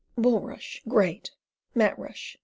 Bulrush, Great. Mat rush.